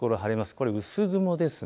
これ、薄雲です。